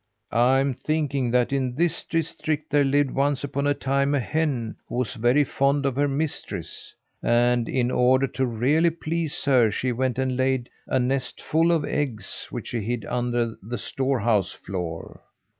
"I'm thinking that in this district there lived, once upon a time, a hen, who was very fond of her mistress; and in order to really please her, she went and laid a nest full of eggs, which she hid under the store house floor.